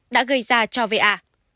đã gây ra cho va